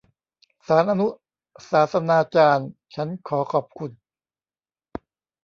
ศาลอนุศาสนาจารย์ฉันขอขอบคุณ